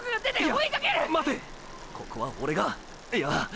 ここはオレがいや！！